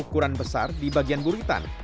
ukuran besar di bagian buritan